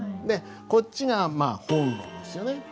でこっちがまあ本論ですよね。